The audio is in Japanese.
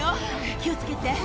気を付けて！